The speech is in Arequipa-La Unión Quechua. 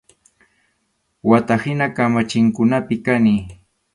Wata hina kamachinkunapi kani.